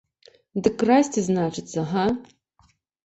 Дык красці, значыцца, га?